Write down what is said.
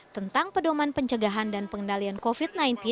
tentang pedoman pencegahan dan pengendalian covid sembilan belas